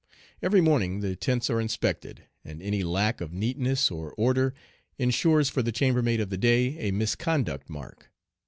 Every morning the tents are inspected, and any lack of neatness or order insures for the chambermaid of the day a misconduct mark.